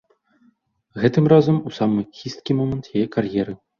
Гэтым разам у самы хісткі момант яе кар'еры.